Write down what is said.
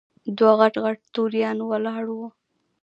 دوه غټ غټ توریان ولاړ وو.